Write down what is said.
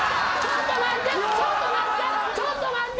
ちょっと待って。